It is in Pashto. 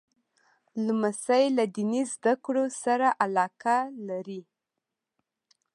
لمسی له دیني زده کړو سره علاقه لري.